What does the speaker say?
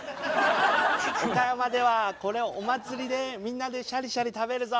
岡山ではこれをお祭りでみんなでシャリシャリ食べるぞ。